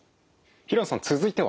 平野さん続いては？